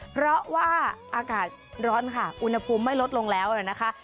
เพราะว่าอากาศร้อนค่ะอุณหภูมิไม่ลดลงแล้วนะคะ